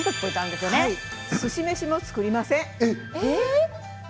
すし飯も作りません。